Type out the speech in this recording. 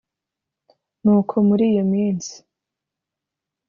Nuko muri iyo minsi